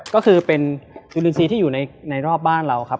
ก็คือเป็นจุลินทรีย์ที่อยู่ในรอบบ้านเราครับ